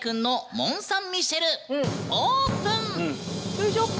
よいしょっ。